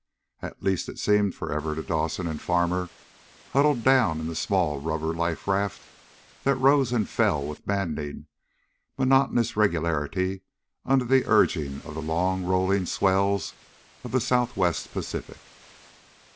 At least it seemed forever to Dawson and Farmer, huddled down in the small rubber life raft that rose and fell with maddening monotonous regularity under the urging of the long, rolling swells of the Southwest Pacific.